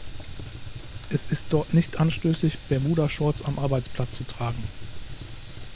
Es ist dort nicht anstößig, Bermuda-Shorts am Arbeitsplatz zu tragen.